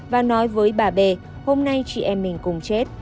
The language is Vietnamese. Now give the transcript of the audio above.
và nói với bà bề hôm nay chị em mình cùng chết